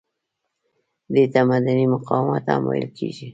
دې ته مدني مقاومت هم ویل کیږي.